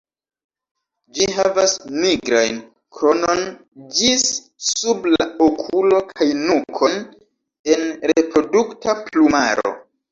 Ĝi havas nigrajn kronon ĝis sub la okulo kaj nukon en reprodukta plumaro.